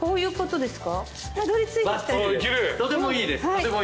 とてもいいです。